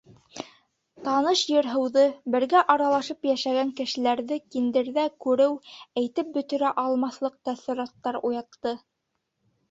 Таныш ер- һыуҙы, бергә аралашып йәшәгән кешеләрҙе киндерҙә күреү әйтеп бөтөрә алмаҫлыҡ тәьҫораттар уятты.